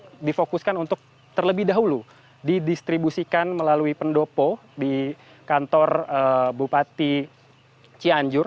ini difokuskan untuk terlebih dahulu didistribusikan melalui pendopo di kantor bupati cianjur